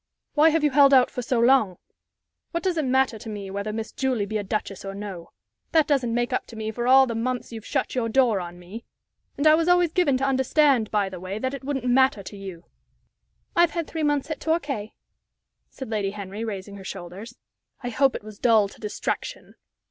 "Why have you held out so long? What does it matter to me whether Miss Julie be a duchess or no? That doesn't make up to me for all the months you've shut your door on me. And I was always given to understand, by the way, that it wouldn't matter to you." "I've had three months at Torquay," said Lady Henry, raising her shoulders. "I hope it was dull to distraction."